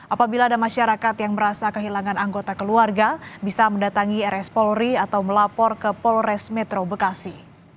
apabila ada masyarakat yang merasa kehilangan anggota keluarga bisa mendatangi rs polri atau melapor ke polres metro bekasi